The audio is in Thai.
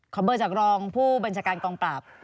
เบอร์จากรองผู้บัญชาการกองปราบ